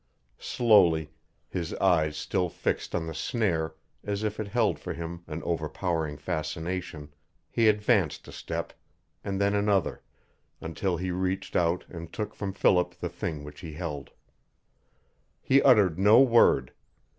Slowly, his eyes still fixed on the snare as if it held for him an overpowering fascination, he advanced a step, and then another, until he reached out and took from Philip the thing which he held. He uttered no word.